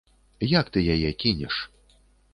Як ты яе кінеш!